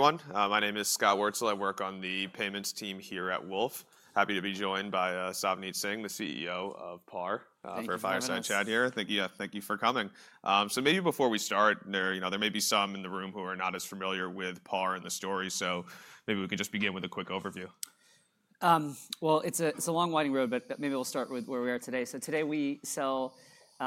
Everyone, my name is Scott Wurtzel. I work on the payments team here at Wolfe. Happy to be joined by Savneet Singh, the CEO of PAR, for a fireside chat here. Thank you for coming. Maybe before we start, there may be some in the room who are not as familiar with PAR and the story, so maybe we can just begin with a quick overview. It's a long winding road, but maybe we'll start with where we are today. Today we sell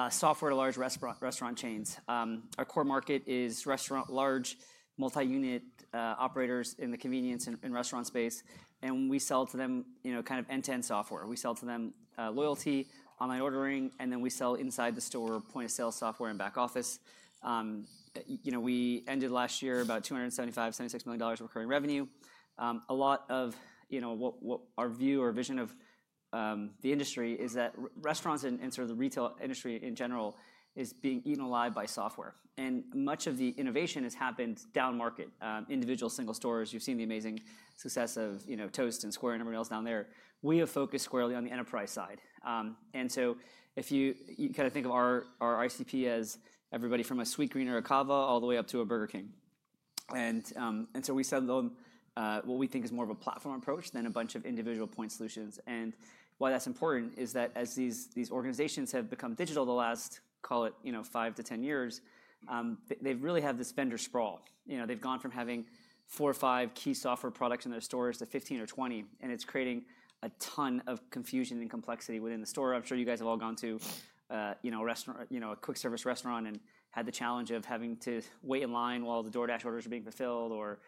software to large restaurant chains. Our core market is restaurant-large multi-unit operators in the convenience and restaurant space. We sell to them kind of end-to-end software. We sell to them loyalty, online ordering, and then we sell inside the store, point of sale software and back office. We ended last year about $275 million, $276 million recurring revenue. A lot of what our view or vision of the industry is that restaurants and sort of the retail industry in general is being eaten alive by software. Much of the innovation has happened down market, individual single stores. You've seen the amazing success of Toast and Square and everything else down there. We have focused squarely on the enterprise side. If you kind of think of our ICP as everybody from a Sweetgreen or a Cava all the way up to a Burger King. We sell what we think is more of a platform approach than a bunch of individual point solutions. Why that's important is that as these organizations have become digital the last, call it, 5-10 years, they really have this vendor sprawl. They've gone from having four or five key software products in their stores to 15 or 20. It's creating a ton of confusion and complexity within the store. I'm sure you guys have all gone to a quick service restaurant and had the challenge of having to wait in line while the DoorDash orders are being fulfilled or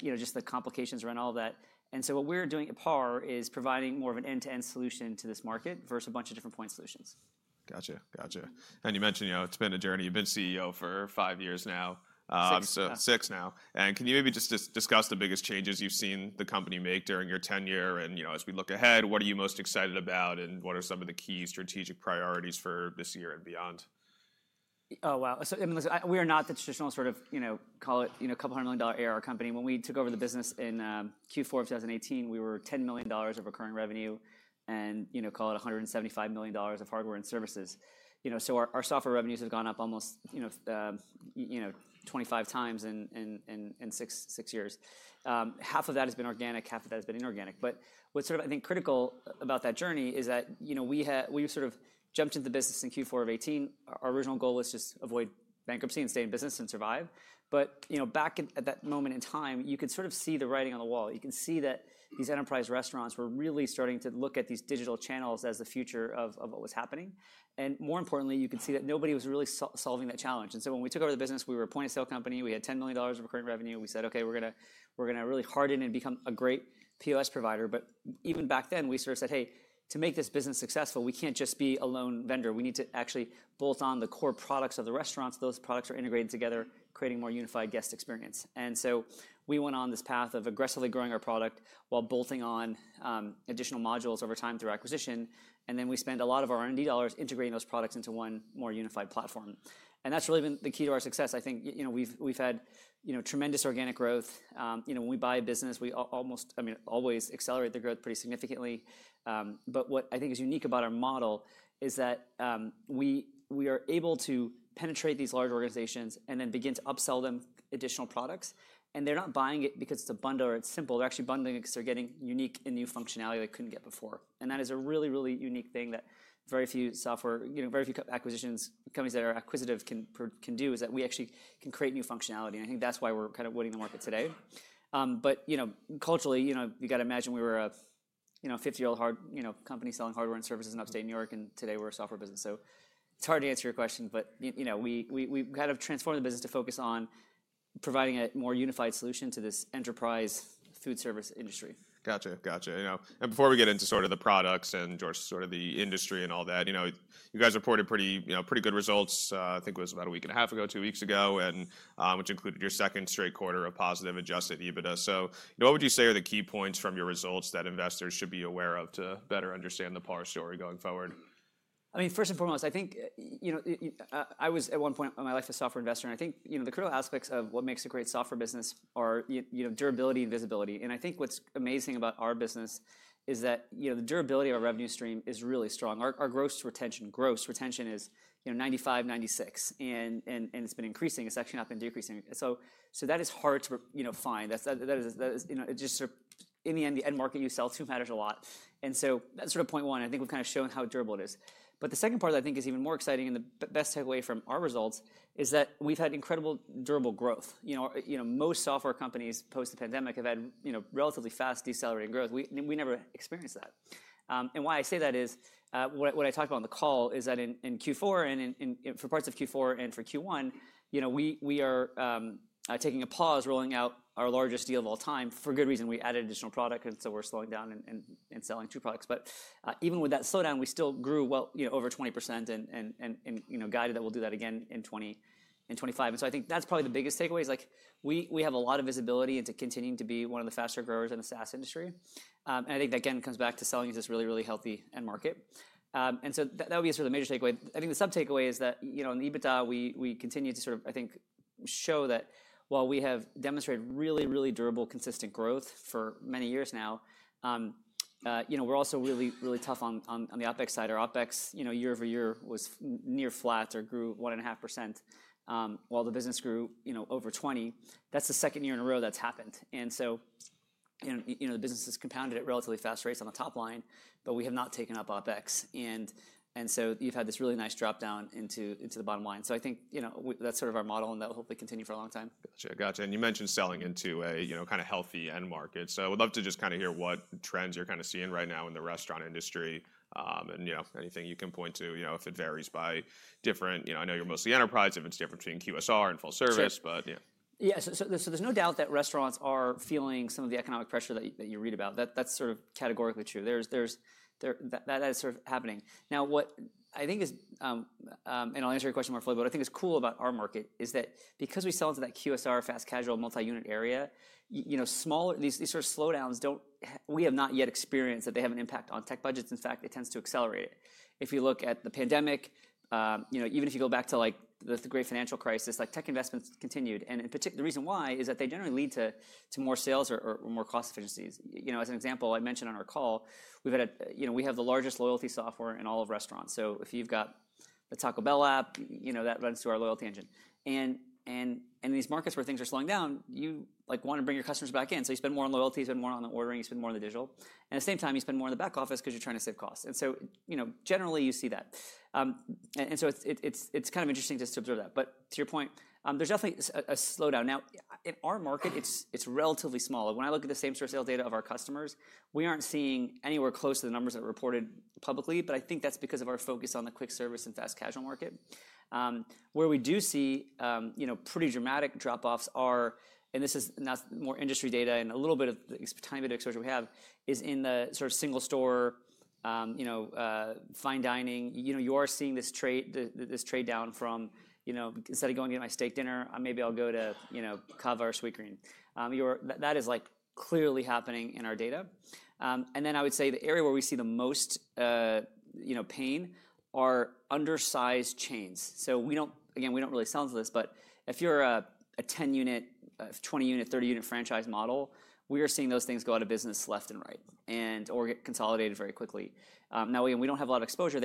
just the complications around all of that. What we're doing at PAR is providing more of an end-to-end solution to this market versus a bunch of different point solutions. Gotcha. Gotcha. You mentioned it's been a journey. You've been CEO for five years now. Six. Six now. Can you maybe just discuss the biggest changes you've seen the company make during your tenure? As we look ahead, what are you most excited about? What are some of the key strategic priorities for this year and beyond? Oh, wow. We are not the traditional sort of, call it, a couple hundred million dollar ARR company. When we took over the business in Q4 of 2018, we were $10 million of recurring revenue and, call it, $175 million of hardware and services. Our software revenues have gone up almost 25 times in six years. Half of that has been organic. Half of that has been inorganic. What is sort of, I think, critical about that journey is that we sort of jumped into the business in Q4 of 2018. Our original goal was just to avoid bankruptcy and stay in business and survive. Back at that moment in time, you could sort of see the writing on the wall. You can see that these enterprise restaurants were really starting to look at these digital channels as the future of what was happening. More importantly, you could see that nobody was really solving that challenge. When we took over the business, we were a point of sale company. We had $10 million of recurring revenue. We said, "Okay, we're going to really harden and become a great POS provider." Even back then, we sort of said, "Hey, to make this business successful, we can't just be a lone vendor. We need to actually bolt on the core products of the restaurants. Those products are integrated together, creating more unified guest experience." We went on this path of aggressively growing our product while bolting on additional modules over time through acquisition. We spent a lot of our R&D dollars integrating those products into one more unified platform. That's really been the key to our success. I think we've had tremendous organic growth. When we buy a business, we almost always accelerate the growth pretty significantly. What I think is unique about our model is that we are able to penetrate these large organizations and then begin to upsell them additional products. They're not buying it because it's a bundle or it's simple. They're actually bundling it because they're getting unique and new functionality they couldn't get before. That is a really, really unique thing that very few software, very few acquisitions, companies that are acquisitive can do, is that we actually can create new functionality. I think that's why we're kind of winning the market today. Culturally, you've got to imagine we were a 50-year-old company selling hardware and services in upstate New York. Today we're a software business. It's hard to answer your question, but we kind of transformed the business to focus on providing a more unified solution to this enterprise food service industry. Gotcha. Gotcha. Before we get into sort of the products and sort of the industry and all that, you guys reported pretty good results. I think it was about a week and a half ago, two weeks ago, which included your second straight quarter of positive adjusted EBITDA. What would you say are the key points from your results that investors should be aware of to better understand the PAR story going forward? I mean, first and foremost, I think I was at one point in my life a software investor. I think the critical aspects of what makes a great software business are durability and visibility. I think what's amazing about our business is that the durability of our revenue stream is really strong. Our gross retention, gross retention is 95%, 96%. It's been increasing. It's actually not been decreasing. That is hard to find. It's just sort of in the end, the end market you sell to matters a lot. That's sort of point one. I think we've kind of shown how durable it is. The second part that I think is even more exciting and the best takeaway from our results is that we've had incredible durable growth. Most software companies post the pandemic have had relatively fast decelerating growth. We never experienced that. Why I say that is what I talked about on the call is that in Q4 and for parts of Q4 and for Q1, we are taking a pause, rolling out our largest deal of all time for good reason. We added additional product. We are slowing down and selling two products. Even with that slowdown, we still grew well over 20% and guided that we will do that again in 2025. I think that is probably the biggest takeaway. We have a lot of visibility into continuing to be one of the faster growers in the SaaS industry. I think that, again, comes back to selling as this really, really healthy end market. That would be sort of the major takeaway. I think the sub-takeaway is that in EBITDA, we continue to sort of, I think, show that while we have demonstrated really, really durable consistent growth for many years now, we're also really, really tough on the OPEX side. Our OPEX year over year was near flat or grew 1.5% while the business grew over 20%. That's the second year in a row that's happened. The business has compounded at relatively fast rates on the top line, but we have not taken up OPEX. You have had this really nice drop down into the bottom line. I think that's sort of our model. That will hopefully continue for a long time. Gotcha. Gotcha. You mentioned selling into a kind of healthy end market. I would love to just kind of hear what trends you're kind of seeing right now in the restaurant industry and anything you can point to if it varies by different. I know you're mostly enterprise if it's different between QSR and full service, but yeah. Yeah. There's no doubt that restaurants are feeling some of the economic pressure that you read about. That's sort of categorically true. That is sort of happening. Now, what I think is, and I'll answer your question more fully, what I think is cool about our market is that because we sell into that QSR fast casual multi-unit area, these sort of slowdowns, we have not yet experienced that they have an impact on tech budgets. In fact, it tends to accelerate it. If you look at the pandemic, even if you go back to the great financial crisis, tech investments continued. The reason why is that they generally lead to more sales or more cost efficiencies. As an example, I mentioned on our call, we have the largest loyalty software in all of restaurants. If you've got the Taco Bell app, that runs through our loyalty engine. In these markets where things are slowing down, you want to bring your customers back in. You spend more on loyalty. You spend more on the ordering. You spend more on the digital. At the same time, you spend more in the back office because you're trying to save costs. Generally, you see that. It's kind of interesting just to observe that. To your point, there's definitely a slowdown. In our market, it's relatively small. When I look at the same sort of sales data of our customers, we aren't seeing anywhere close to the numbers that are reported publicly. I think that's because of our focus on the quick service and fast casual market. Where we do see pretty dramatic drop-offs are, and this is more industry data and a little bit of the tiny bit of exposure we have, is in the sort of single store, fine dining. You are seeing this trade down from instead of going to get my steak dinner, maybe I'll go to Cava or Sweetgreen. That is clearly happening in our data. I would say the area where we see the most pain are undersized chains. Again, we don't really sell into this. If you're a 10-unit or 20-unit or 30-unit franchise model, we are seeing those things go out of business left and right and/or get consolidated very quickly. We don't have a lot of exposure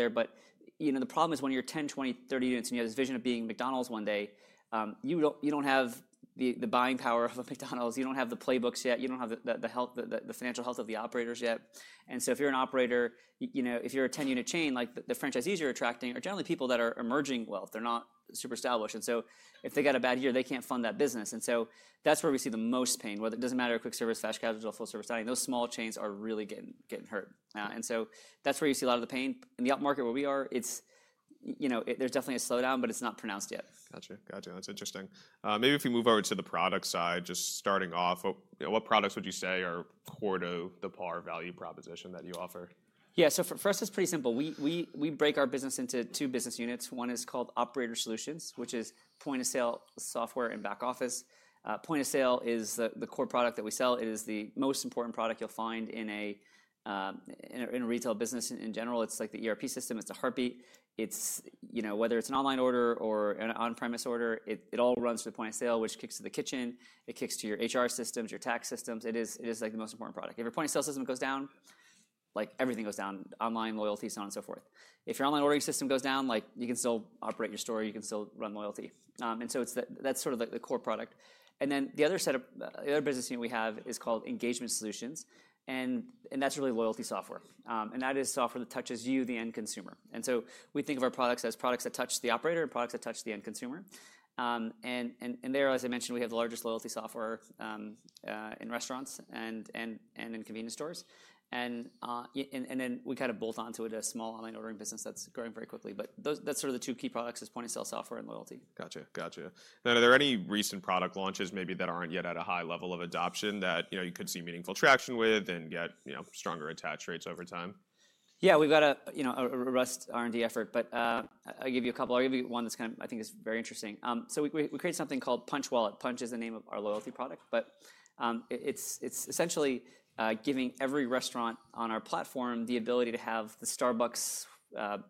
there. The problem is when you're 10, 20, 30 units and you have this vision of being McDonald's one day, you don't have the buying power of a McDonald's. You don't have the playbooks yet. You don't have the financial health of the operators yet. If you're an operator, if you're a 10-unit chain, the franchisees you're attracting are generally people that are emerging wealth. They're not super established. If they got a bad year, they can't fund that business. That's where we see the most pain, whether it doesn't matter quick service, fast casual, full service dining. Those small chains are really getting hurt. That's where you see a lot of the pain. In the up market where we are, there's definitely a slowdown, but it's not pronounced yet. Gotcha. Gotcha. That's interesting. Maybe if we move over to the product side, just starting off, what products would you say are core to the PAR value proposition that you offer? Yeah. For us, it's pretty simple. We break our business into two business units. One is called Operator Solutions, which is point of sale software and Back Office. Point of sale is the core product that we sell. It is the most important product you'll find in a retail business. In general, it's like the ERP system. It's a heartbeat. Whether it's an online order or an on-premise order, it all runs through point of sale, which kicks to the kitchen. It kicks to your HR systems, your tax systems. It is the most important product. If your point of sale system goes down, everything goes down, online, loyalty, so on and so forth. If your online ordering system goes down, you can still operate your store. You can still run loyalty. That's sort of the core product. The other business unit we have is called Engagement Solutions. That's really loyalty software. That is software that touches you, the end consumer. We think of our products as products that touch the operator and products that touch the end consumer. There, as I mentioned, we have the largest loyalty software in restaurants and in convenience stores. We kind of bolt onto it a small online ordering business that's growing very quickly. That's sort of the two key products: point of sale software and loyalty. Gotcha. Gotcha. Now, are there any recent product launches maybe that aren't yet at a high level of adoption that you could see meaningful traction with and get stronger attach rates over time? Yeah. We've got a robust R&D effort. I'll give you a couple. I'll give you one that I think is very interesting. We created something called Punchh Wallet. Punchh is the name of our loyalty product. It's essentially giving every restaurant on our platform the ability to have the Starbucks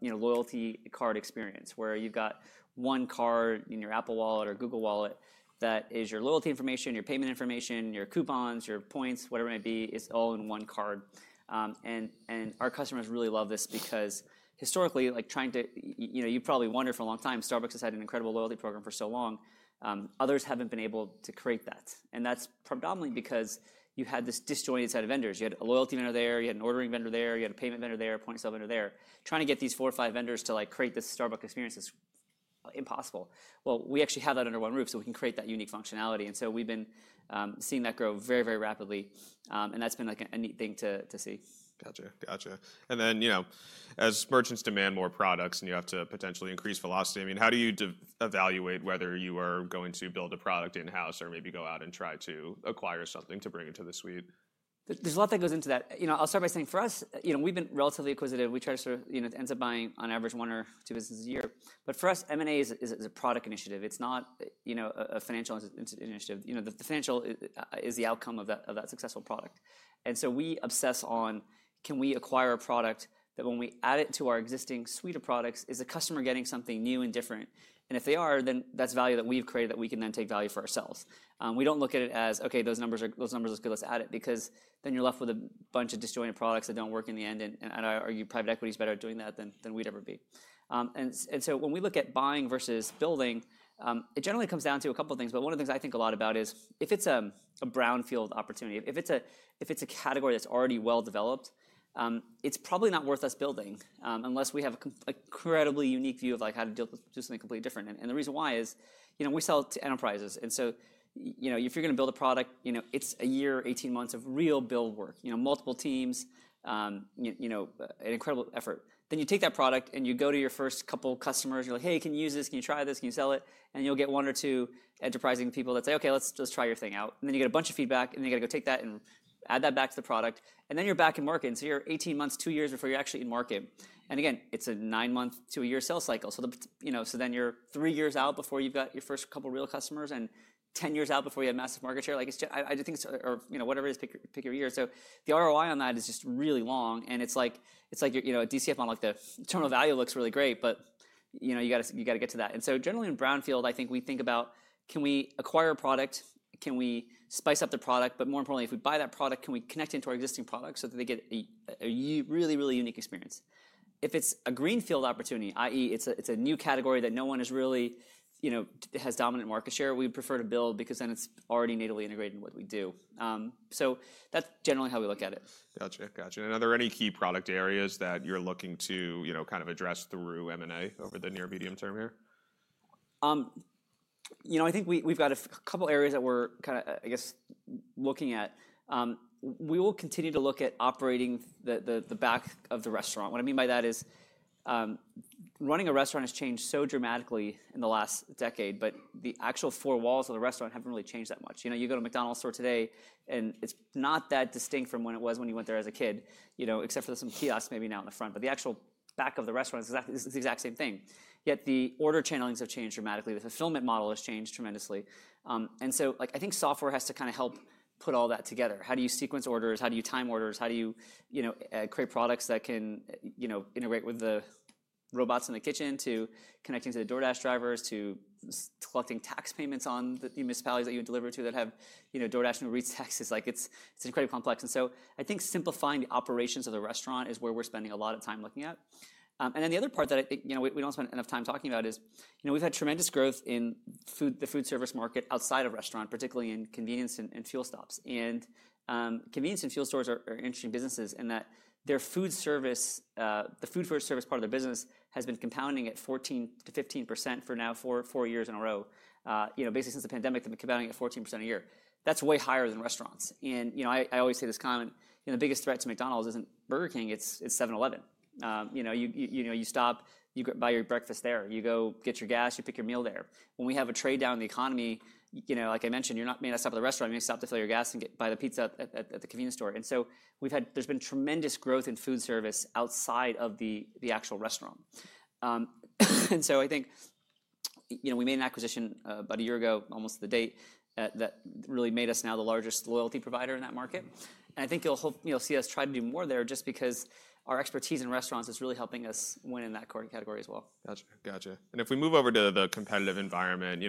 loyalty card experience where you've got one card in your Apple Wallet or Google Wallet that is your loyalty information, your payment information, your coupons, your points, whatever it may be, all in one card. Our customers really love this because historically, you probably wondered for a long time, Starbucks has had an incredible loyalty program for so long. Others haven't been able to create that. That's predominantly because you had this disjointed set of vendors. You had a loyalty vendor there. You had an ordering vendor there. You had a payment vendor there, a point of sale vendor there. Trying to get these four or five vendors to create this Starbucks experience is impossible. We actually have that under one roof. We can create that unique functionality. We have been seeing that grow very, very rapidly. That has been a neat thing to see. Gotcha. Gotcha. As merchants demand more products and you have to potentially increase velocity, I mean, how do you evaluate whether you are going to build a product in-house or maybe go out and try to acquire something to bring into the suite? There's a lot that goes into that. I'll start by saying for us, we've been relatively inquisitive. We try to end up buying on average one or two businesses a year. For us, M&A is a product initiative. It's not a financial initiative. The financial is the outcome of that successful product. We obsess on, can we acquire a product that when we add it to our existing suite of products, is the customer getting something new and different? If they are, then that's value that we've created that we can then take value for ourselves. We don't look at it as, "Okay, those numbers look good. Let's add it," because then you're left with a bunch of disjointed products that don't work in the end. I argue private equity is better at doing that than we'd ever be. When we look at buying versus building, it generally comes down to a couple of things. One of the things I think a lot about is if it's a brownfield opportunity, if it's a category that's already well developed, it's probably not worth us building unless we have an incredibly unique view of how to do something completely different. The reason why is we sell to enterprises. If you're going to build a product, it's a year, 18 months of real build work, multiple teams, an incredible effort. You take that product and you go to your first couple of customers. You're like, "Hey, can you use this? Can you try this? Can you sell it?" You get one or two enterprising people that say, "Okay, let's try your thing out." You get a bunch of feedback. You got to go take that and add that back to the product. Then you're back in market. You're 18 months, two years before you're actually in market. Again, it's a nine-month to a year sales cycle. You're three years out before you've got your first couple of real customers and 10 years out before you have massive market share. I do think it's whatever it is, pick your year. The ROI on that is just really long. It's like a DCF on the terminal value looks really great, but you got to get to that. Generally in brownfield, I think we think about, can we acquire a product? Can we spice up the product? More importantly, if we buy that product, can we connect into our existing product so that they get a really, really unique experience? If it's a greenfield opportunity, i.e., it's a new category that no one really has dominant market share, we would prefer to build because then it's already natively integrated in what we do. That's generally how we look at it. Gotcha. Gotcha. Are there any key product areas that you're looking to kind of address through M&A over the near medium term here? I think we've got a couple of areas that we're kind of, I guess, looking at. We will continue to look at operating the back of the restaurant. What I mean by that is running a restaurant has changed so dramatically in the last decade, but the actual four walls of the restaurant haven't really changed that much. You go to a McDonald's store today, and it's not that distinct from when it was when you went there as a kid, except for some kiosks maybe now in the front. The actual back of the restaurant is the exact same thing. Yet the order channels have changed dramatically. The fulfillment model has changed tremendously. I think software has to kind of help put all that together. How do you sequence orders? How do you time orders? How do you create products that can integrate with the robots in the kitchen to connecting to the DoorDash drivers to collecting tax payments on the municipalities that you deliver to that have DoorDash and Reeds taxes? It's incredibly complex. I think simplifying the operations of the restaurant is where we're spending a lot of time looking at. The other part that we don't spend enough time talking about is we've had tremendous growth in the food service market outside of restaurant, particularly in convenience and fuel stops. Convenience and fuel stores are interesting businesses in that their food service, the food service part of their business has been compounding at 14%-15% for now, four years in a row, basically since the pandemic, compounding at 14% a year. That's way higher than restaurants. I always say this comment. The biggest threat to McDonald's isn't Burger King. It's 7-Eleven. You stop, you buy your breakfast there. You go get your gas. You pick your meal there. When we have a trade down in the economy, like I mentioned, you're not made to stop at the restaurant. You may stop to fill your gas and buy the pizza at the convenience store. There has been tremendous growth in food service outside of the actual restaurant. I think we made an acquisition about a year ago, almost to the date, that really made us now the largest loyalty provider in that market. I think you'll see us try to do more there just because our expertise in restaurants is really helping us win in that category as well. Gotcha. Gotcha. If we move over to the competitive environment,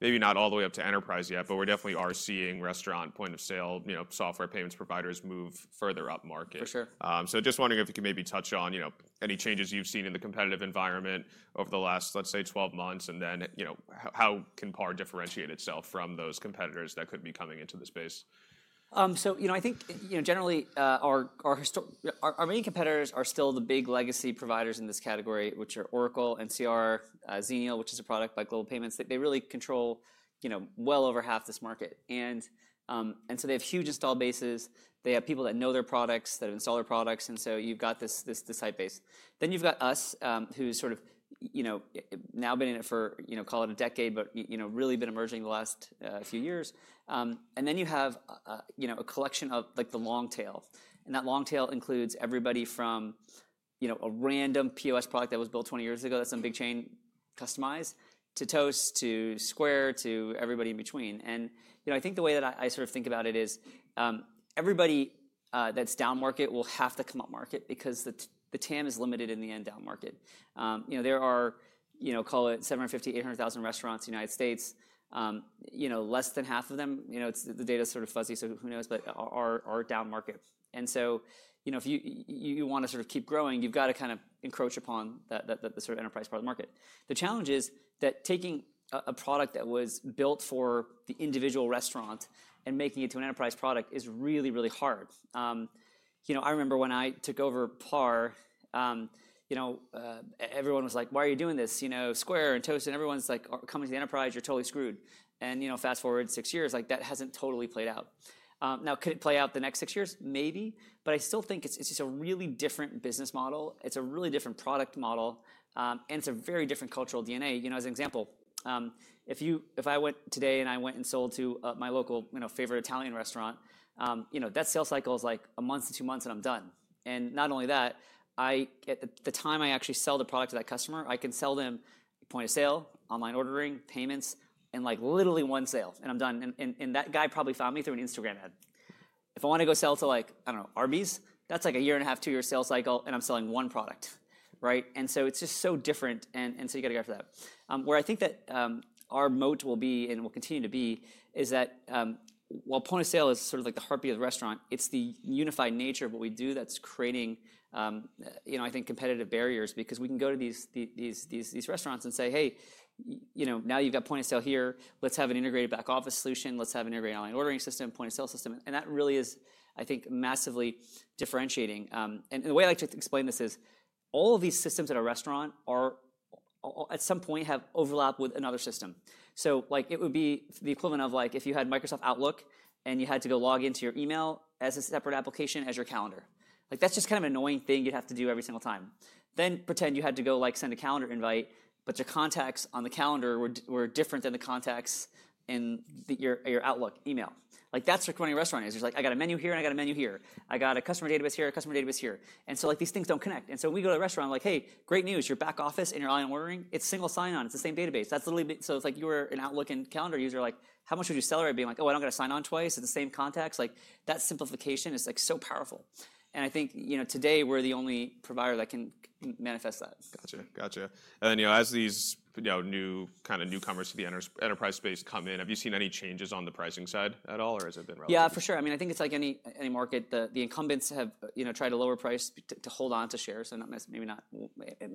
maybe not all the way up to enterprise yet, but we're definitely seeing restaurant point of sale software payments providers move further up market. For sure. Just wondering if you can maybe touch on any changes you've seen in the competitive environment over the last, let's say, 12 months. Then how can PAR differentiate itself from those competitors that could be coming into the space? I think generally our main competitors are still the big legacy providers in this category, which are Oracle, NCR, Xenial, which is a product by Global Payments. They really control well over half this market. They have huge install bases. They have people that know their products, that install their products. You have this site base. You have us, who's sort of now been in it for, call it a decade, but really been emerging the last few years. You have a collection of the long tail. That long tail includes everybody from a random POS product that was built 20 years ago that's some big chain customized to Toast to Square to everybody in between. I think the way that I sort of think about it is everybody that's down market will have to come up market because the TAM is limited in the end down market. There are, call it 750,000-800,000 restaurants in the United States. Less than half of them, the data is sort of fuzzy, so who knows, but are down market. If you want to sort of keep growing, you've got to kind of encroach upon the sort of enterprise part of the market. The challenge is that taking a product that was built for the individual restaurant and making it to an enterprise product is really, really hard. I remember when I took over PAR, everyone was like, "Why are you doing this? Square and Toast and everyone's coming to the enterprise. You're totally screwed." Fast forward six years, that hasn't totally played out. Now, could it play out the next six years? Maybe. I still think it's just a really different business model. It's a really different product model. It's a very different cultural DNA. As an example, if I went today and I went and sold to my local favorite Italian restaurant, that sales cycle is like a month to two months and I'm done. Not only that, at the time I actually sell the product to that customer, I can sell them point of sale, online ordering, payments, and literally one sale. I'm done. That guy probably found me through an Instagram ad. If I want to go sell to, I don't know, Arby's, that's like a year and a half, two year sales cycle, and I'm selling one product. It's just so different. You got to get for that. Where I think that our moat will be and will continue to be is that while point of sale is sort of like the heartbeat of the restaurant, it's the unified nature of what we do that's creating, I think, competitive barriers because we can go to these restaurants and say, "Hey, now you've got point of sale here. Let's have an integrated back office solution. Let's have an integrated online ordering system, point of sale system." That really is, I think, massively differentiating. The way I like to explain this is all of these systems at a restaurant at some point have overlap with another system. It would be the equivalent of if you had Microsoft Outlook and you had to go log into your email as a separate application as your calendar. That's just kind of an annoying thing you'd have to do every single time. Pretend you had to go send a calendar invite, but your contacts on the calendar were different than the contacts in your Outlook email. That's what running a restaurant is. You're like, "I got a menu here. I got a menu here. I got a customer database here, a customer database here." These things don't connect. When we go to a restaurant, I'm like, "Hey, great news. Your back office and your online ordering, it's single sign-on. It's the same database." It's like you were an Outlook and calendar user. How much would you sell every day? I'm like, "Oh, I don't got to sign on twice at the same contacts." That simplification is so powerful. I think today we're the only provider that can manifest that. Gotcha. Gotcha. As these new kind of newcomers to the enterprise space come in, have you seen any changes on the pricing side at all, or has it been relative? Yeah, for sure. I mean, I think it's like any market, the incumbents have tried to lower price to hold on to shares, and maybe not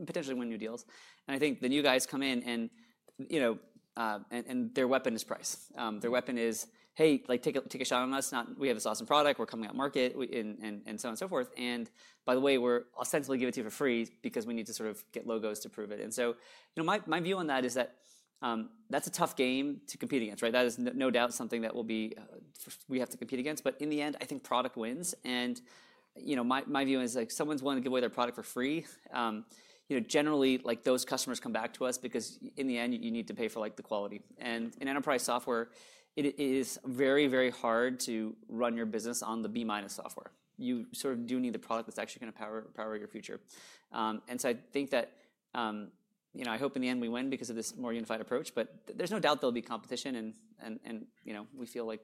potentially win new deals. I think the new guys come in, and their weapon is price. Their weapon is, "Hey, take a shot on us. We have this awesome product. We're coming out market and so on and so forth. By the way, we're ostensibly giving it to you for free because we need to sort of get logos to prove it." My view on that is that that's a tough game to compete against. That is no doubt something that we have to compete against. In the end, I think product wins. My view is if someone's willing to give away their product for free, generally those customers come back to us because in the end, you need to pay for the quality. In enterprise software, it is very, very hard to run your business on the B-minus software. You sort of do need the product that's actually going to power your future. I think that I hope in the end we win because of this more unified approach. There is no doubt there'll be competition, and we feel like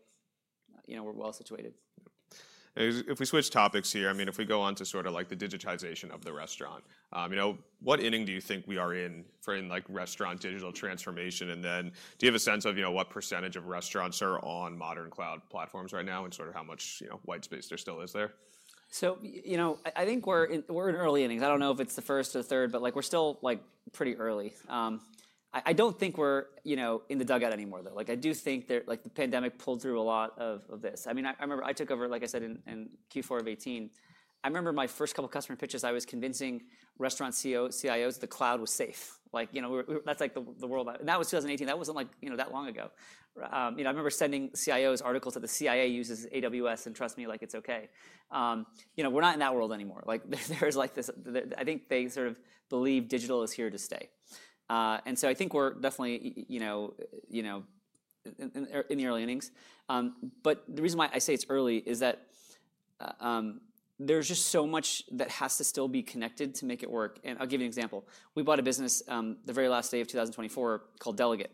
we're well situated. If we switch topics here, I mean, if we go on to sort of the digitization of the restaurant, what inning do you think we are in for in restaurant digital transformation? Do you have a sense of what percentage of restaurants are on modern cloud platforms right now and sort of how much white space there still is there? I think we're in early innings. I don't know if it's the first or third, but we're still pretty early. I don't think we're in the dugout anymore, though. I do think the pandemic pulled through a lot of this. I mean, I remember I took over, like I said, in Q4 of 2018. I remember my first couple of customer pitches, I was convincing restaurant CIOs that the cloud was safe. That's like the world. And that was 2018. That wasn't that long ago. I remember sending CIOs articles that the CIA uses AWS and trust me, it's okay. We're not in that world anymore. I think they sort of believe digital is here to stay. And so I think we're definitely in the early innings. The reason why I say it's early is that there's just so much that has to still be connected to make it work. I'll give you an example. We bought a business the very last day of 2024 called Delaget.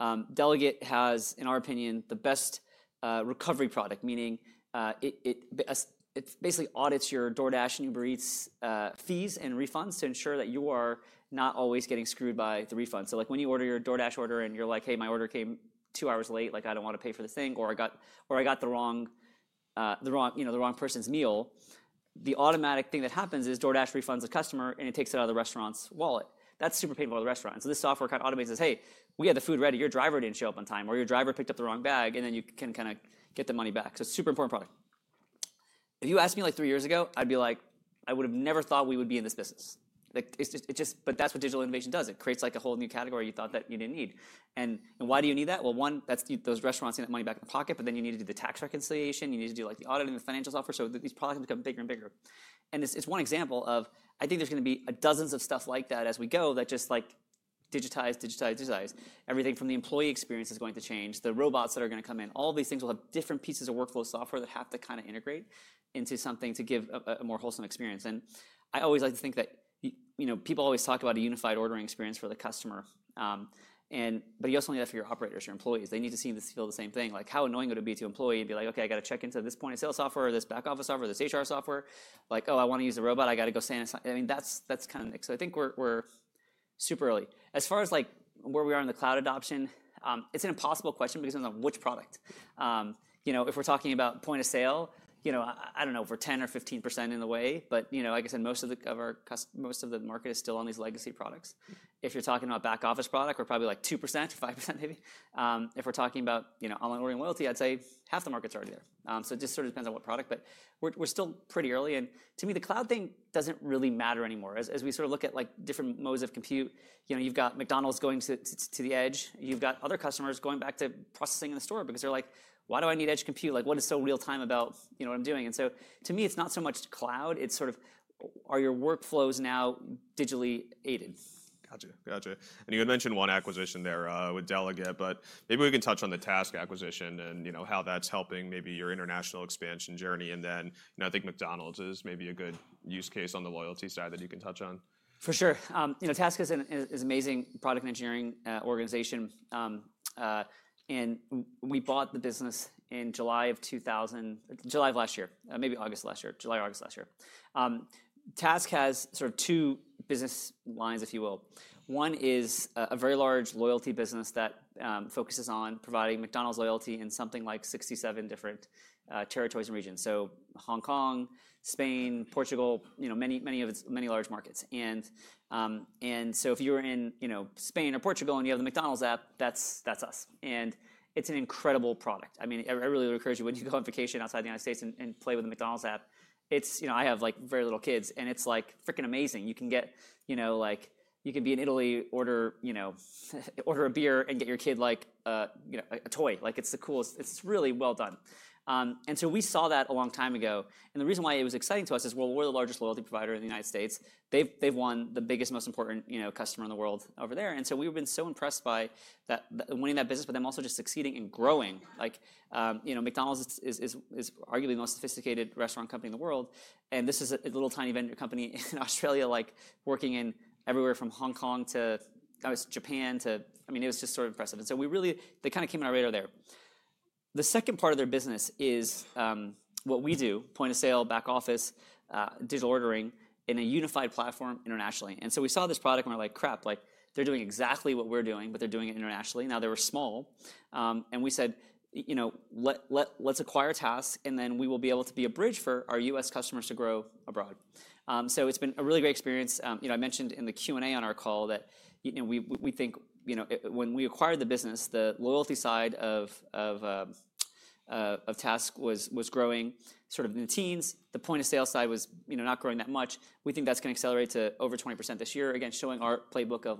Delaget has, in our opinion, the best recovery product, meaning it basically audits your DoorDash and Uber Eats fees and refunds to ensure that you are not always getting screwed by the refunds. When you order your DoorDash order and you're like, "Hey, my order came two hours late. I don't want to pay for the thing," or I got the wrong person's meal, the automatic thing that happens is DoorDash refunds the customer and it takes it out of the restaurant's wallet. That's super painful for the restaurant. This software kind of automates it. Hey, we had the food ready. Your driver didn't show up on time, or your driver picked up the wrong bag, and then you can kind of get the money back. It is a super important product. If you asked me three years ago, I'd be like, "I would have never thought we would be in this business." That is what digital innovation does. It creates a whole new category you thought that you didn't need. Why do you need that? One, those restaurants need that money back in their pocket, but then you need to do the tax reconciliation. You need to do the audit and the financial software. These products become bigger and bigger. It is one example of I think there is going to be dozens of stuff like that as we go that just digitize, digitize, digitize. Everything from the employee experience is going to change. The robots that are going to come in. All these things will have different pieces of workflow software that have to kind of integrate into something to give a more wholesome experience. I always like to think that people always talk about a unified ordering experience for the customer. You also need that for your operators, your employees. They need to see and feel the same thing. How annoying would it be to an employee and be like, "Okay, I got to check into this point of sale software, this back office software, this HR software. Oh, I want to use the robot. I got to go stand." I mean, that's kind of next. I think we're super early. As far as where we are in the cloud adoption, it's an impossible question because it's on which product. If we're talking about point of sale, I don't know, we're 10% or 15% in the way. Like I said, most of the market is still on these legacy products. If you're talking about back office product, we're probably like 2%, 5% maybe. If we're talking about online ordering loyalty, I'd say half the market's already there. It just sort of depends on what product. We're still pretty early. To me, the cloud thing doesn't really matter anymore. As we sort of look at different modes of compute, you've got McDonald's going to the edge. You've got other customers going back to processing in the store because they're like, "Why do I need edge compute? What is so real-time about what I'm doing?" To me, it's not so much cloud. It's sort of, are your workflows now digitally aided? Gotcha. Gotcha. You had mentioned one acquisition there with Delegate, but maybe we can touch on the Task acquisition and how that's helping maybe your international expansion journey. I think McDonald's is maybe a good use case on the loyalty side that you can touch on. For sure. Task is an amazing product engineering organization. We bought the business in July of 2023, maybe August last year, July or August last year. Task has sort of two business lines, if you will. One is a very large loyalty business that focuses on providing McDonald's loyalty in something like 67 different territories and regions. Hong Kong, Spain, Portugal, many large markets. If you're in Spain or Portugal and you have the McDonald's app, that's us. It's an incredible product. I mean, I really would encourage you when you go on vacation outside the United States and play with the McDonald's app. I have very little kids, and it's like freaking amazing. You can be in Italy, order a beer, and get your kid a toy. It's the coolest. It's really well done. We saw that a long time ago. The reason why it was exciting to us is, well, we're the largest loyalty provider in the United States. They've won the biggest, most important customer in the world over there. We've been so impressed by winning that business, but then also just succeeding and growing. McDonald's is arguably the most sophisticated restaurant company in the world. This is a little tiny vendor company in Australia working in everywhere from Hong Kong to, I guess, Japan to, I mean, it was just sort of impressive. They kind of came on our radar there. The second part of their business is what we do, point of sale, back office, digital ordering in a unified platform internationally. We saw this product and we're like, "Crap. They're doing exactly what we're doing, but they're doing it internationally. Now they were small. And we said, "Let's acquire Task, and then we will be able to be a bridge for our U.S. customers to grow abroad." It has been a really great experience. I mentioned in the Q&A on our call that we think when we acquired the business, the loyalty side of Task was growing sort of in the teens. The point of sale side was not growing that much. We think that's going to accelerate to over 20% this year, again, showing our playbook of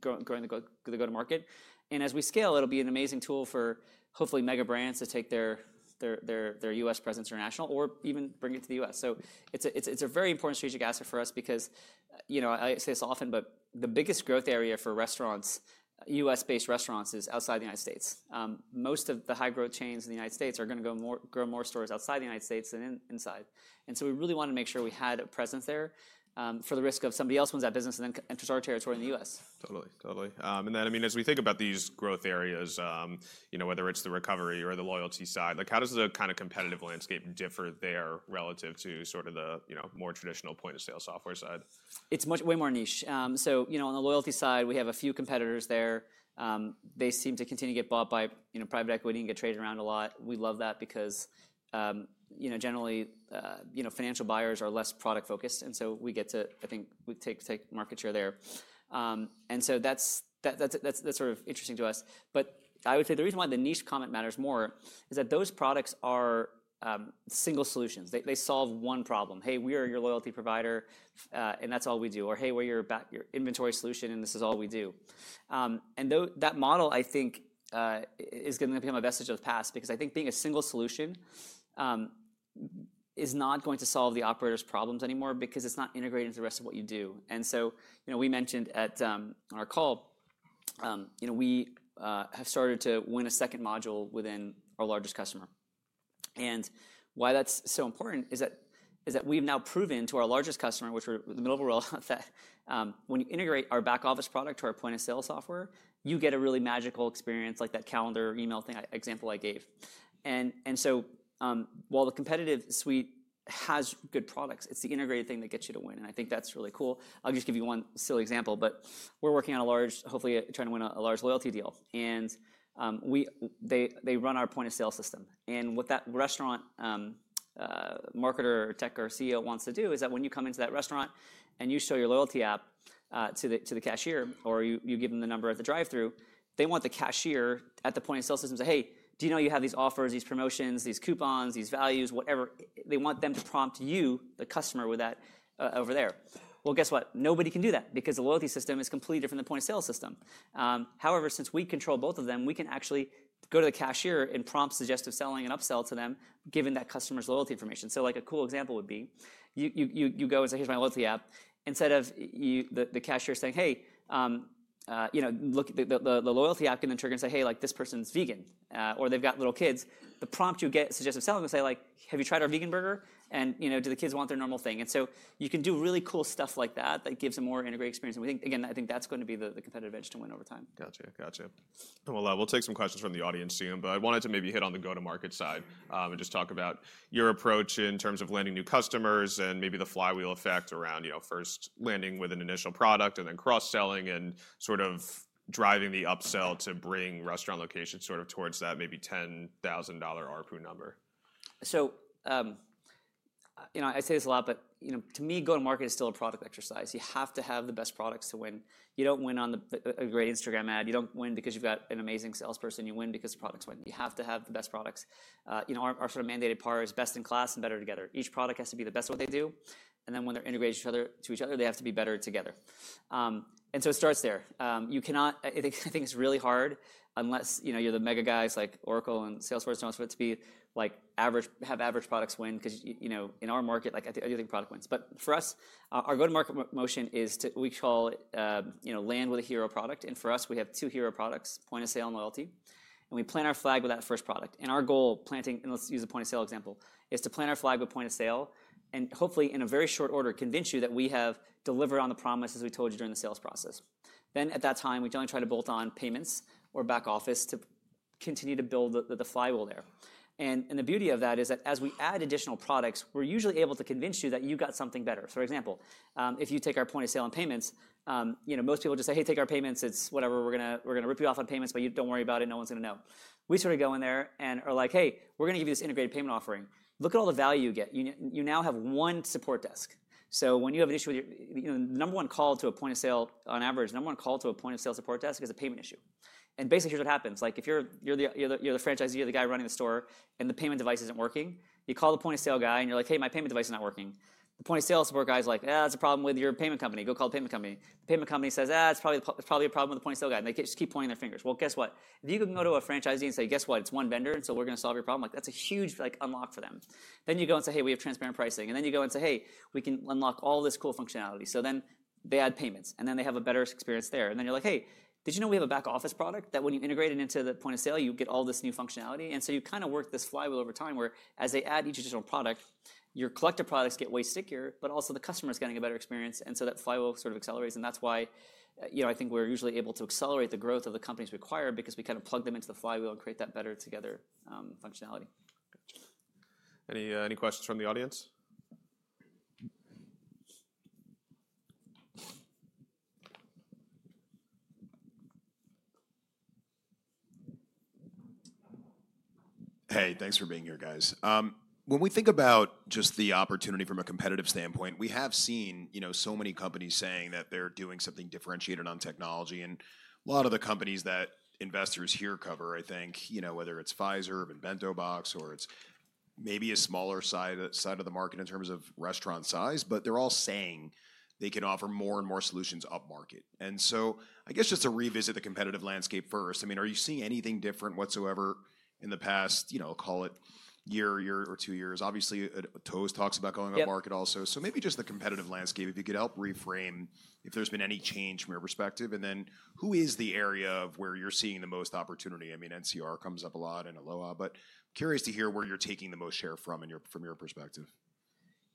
growing the go-to-market. As we scale, it'll be an amazing tool for hopefully mega brands to take their U.S. presence international or even bring it to the U.S. It is a very important strategic asset for us because I say this often, but the biggest growth area for U.S.-based restaurants is outside the United States. Most of the high-growth chains in the United States are going to grow more stores outside the United States than inside. We really wanted to make sure we had a presence there for the risk of somebody else owns that business and then enters our territory in the U.S. Totally. Totally. I mean, as we think about these growth areas, whether it's the recovery or the loyalty side, how does the kind of competitive landscape differ there relative to sort of the more traditional point of sale software side? It's way more niche. On the loyalty side, we have a few competitors there. They seem to continue to get bought by private equity and get traded around a lot. We love that because generally financial buyers are less product-focused. We get to, I think, take market share there. That is sort of interesting to us. I would say the reason why the niche comment matters more is that those products are single solutions. They solve one problem. Hey, we are your loyalty provider, and that's all we do. Or, hey, we're your inventory solution, and this is all we do. That model, I think, is going to become a vestige of the past because I think being a single solution is not going to solve the operator's problems anymore because it's not integrated into the rest of what you do. We mentioned on our call, we have started to win a second module within our largest customer. Why that's so important is that we've now proven to our largest customer, which we're in the middle of a world, that when you integrate our Back Office product to our point of sale software, you get a really magical experience, like that calendar email thing example I gave. While the competitive suite has good products, it's the integrated thing that gets you to win. I think that's really cool. I'll just give you one silly example, but we're working on a large, hopefully trying to win a large loyalty deal. They run our point of sale system. What that restaurant marketer or tech or CEO wants to do is that when you come into that restaurant and you show your loyalty app to the cashier or you give them the number at the drive-thru, they want the cashier at the point of sale system to say, "Hey, do you know you have these offers, these promotions, these coupons, these values, whatever?" They want them to prompt you, the customer, with that over there. Guess what? Nobody can do that because the loyalty system is completely different than the point of sale system. However, since we control both of them, we can actually go to the cashier and prompt suggestive selling and upsell to them given that customer's loyalty information. A cool example would be you go and say, "Here's my loyalty app." Instead of the cashier saying, "Hey, look," the loyalty app can then trigger and say, "Hey, this person's vegan," or they've got little kids. The prompt you get, suggestive selling, will say, "Have you tried our vegan burger? And do the kids want their normal thing?" You can do really cool stuff like that that gives a more integrated experience. Again, I think that's going to be the competitive edge to win over time. Gotcha. Gotcha. We'll take some questions from the audience soon, but I wanted to maybe hit on the go-to-market side and just talk about your approach in terms of landing new customers and maybe the flywheel effect around first landing with an initial product and then cross-selling and sort of driving the upsell to bring restaurant locations sort of towards that maybe $10,000 ARPU number. I say this a lot, but to me, go-to-market is still a product exercise. You have to have the best products to win. You don't win on a great Instagram ad. You don't win because you've got an amazing salesperson. You win because the products win. You have to have the best products. Our sort of mandated PAR is best in class and better together. Each product has to be the best at what they do. Then when they're integrated to each other, they have to be better together. It starts there. I think it's really hard unless you're the mega guys like Oracle and Salesforce. Don't expect to have average products win because in our market, I do think product wins. For us, our go-to-market motion is we call land with a hero product. For us, we have two hero products, point of sale and loyalty. We plant our flag with that first product. Our goal, planting, and let's use a point of sale example, is to plant our flag with point of sale and hopefully in a very short order convince you that we have delivered on the promises we told you during the sales process. At that time, we generally try to bolt on payments or back office to continue to build the flywheel there. The beauty of that is that as we add additional products, we're usually able to convince you that you've got something better. For example, if you take our point of sale and payments, most people just say, "Hey, take our payments. It's whatever. We're going to rip you off on payments, but don't worry about it. No one's going to know. We sort of go in there and are like, "Hey, we're going to give you this integrated payment offering. Look at all the value you get. You now have one support desk." When you have an issue with your number one call to a point of sale on average, number one call to a point of sale support desk is a payment issue. Basically, here's what happens. If you're the franchisee, you're the guy running the store, and the payment device isn't working, you call the point of sale guy and you're like, "Hey, my payment device is not working." The point of sale support guy is like, "That's a problem with your payment company. Go call the payment company." The payment company says, "That's probably a problem with the point of sale guy." They just keep pointing their fingers. Guess what? If you can go to a franchisee and say, "Guess what? It's one vendor, and so we're going to solve your problem," that's a huge unlock for them. You go and say, "Hey, we have transparent pricing." You go and say, "Hey, we can unlock all this cool functionality." They add payments, and then they have a better experience there. You're like, "Hey, did you know we have a back office product that when you integrate it into the point of sale, you get all this new functionality?" You kind of work this flywheel over time where as they add each additional product, your collective products get way stickier, but also the customer is getting a better experience. That flywheel sort of accelerates. That's why I think we're usually able to accelerate the growth of the companies we acquire because we kind of plug them into the flywheel and create that better together functionality. Gotcha. Any questions from the audience? Hey, thanks for being here, guys. When we think about just the opportunity from a competitive standpoint, we have seen so many companies saying that they're doing something differentiated on technology. A lot of the companies that investors here cover, I think, whether it's Pfizer, BentoBox, or it's maybe a smaller side of the market in terms of restaurant size, but they're all saying they can offer more and more solutions up market. I guess just to revisit the competitive landscape first, I mean, are you seeing anything different whatsoever in the past, call it year, year or two years? Obviously, Toast talks about going up market also. Maybe just the competitive landscape, if you could help reframe if there's been any change from your perspective. Who is the area where you're seeing the most opportunity? I mean, NCR comes up a lot and Aloha, but curious to hear where you're taking the most share from from your perspective.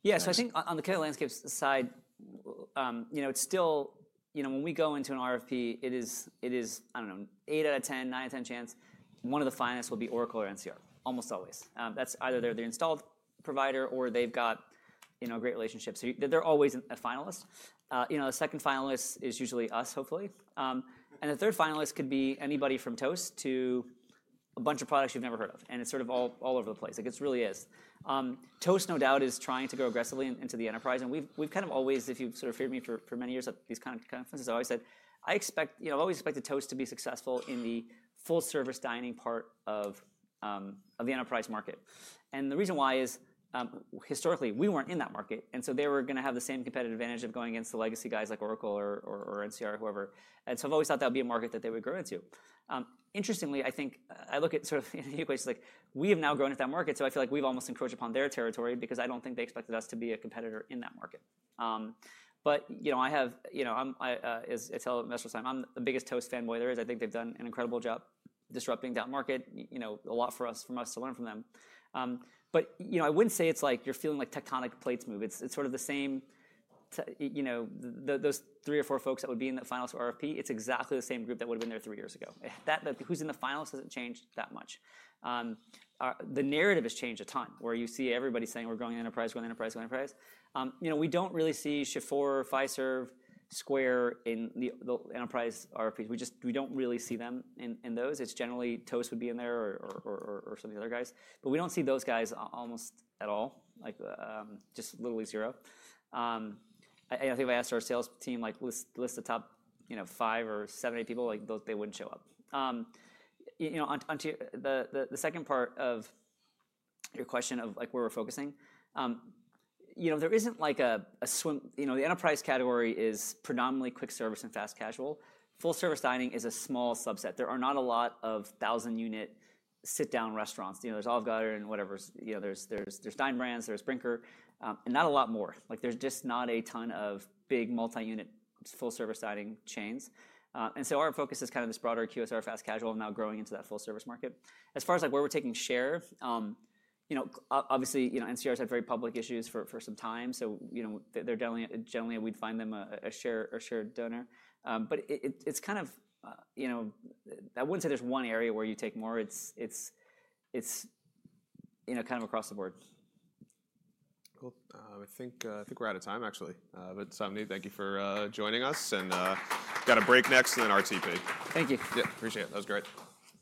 Yeah. I think on the current landscape side, it's still when we go into an RFP, it is, I don't know, 8 out of 10, 9 out of 10 chance. One of the finalists will be Oracle or NCR, almost always. That's either they're the installed provider or they've got a great relationship. They're always a finalist. The second finalist is usually us, hopefully. The third finalist could be anybody from Toast to a bunch of products you've never heard of. It's sort of all over the place. It really is. Toast, no doubt, is trying to go aggressively into the enterprise. We've kind of always, if you've sort of heard me for many years at these kind of conferences, I've always said, I've always expected Toast to be successful in the full-service dining part of the enterprise market. The reason why is historically, we weren't in that market. They were going to have the same competitive advantage of going against the legacy guys like Oracle or NCR or whoever. I've always thought that would be a market that they would grow into. Interestingly, I think I look at sort of in a new place, we have now grown into that market. I feel like we've almost encroached upon their territory because I don't think they expected us to be a competitor in that market. I have, as I tell investors all the time, I'm the biggest Toast fanboy there is. I think they've done an incredible job disrupting that market a lot for us, for us to learn from them. I wouldn't say it's like you're feeling like tectonic plates move. It's sort of the same, those three or four folks that would be in the finals for RFP, it's exactly the same group that would have been there three years ago. Who's in the finals hasn't changed that much. The narrative has changed a ton where you see everybody saying, "We're going enterprise, going enterprise, going enterprise." We don't really see Toast, Pfizer, Square in the enterprise RFPs. We don't really see them in those. It's generally Toast would be in there or some of the other guys. We don't see those guys almost at all, just literally zero. I think if I asked our sales team to list the top five or seven or eight people, they wouldn't show up. The second part of your question of where we're focusing, there isn't like a swim. The enterprise category is predominantly quick service and fast casual. Full-service dining is a small subset. There are not a lot of thousand-unit sit-down restaurants. There's Olive Garden and whatever. There's Dine Brands, there's Brinker, and not a lot more. There's just not a ton of big multi-unit full-service dining chains. Our focus is kind of this broader QSR fast casual now growing into that full-service market. As far as where we're taking share, obviously, NCR has had very public issues for some time. Generally, we'd find them a share donor. It's kind of I wouldn't say there's one area where you take more. It's kind of across the board. Cool. I think we're out of time, actually. Sam, thank you for joining us. Got a break next and then RTP. Thank you. Yeah. Appreciate it. That was great.